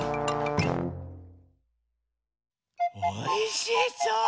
おいしそう！